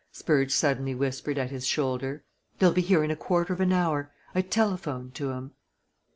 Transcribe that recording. Spurge suddenly whispered at his shoulder. "They'll be here in a quarter of an hour I telephoned to 'em."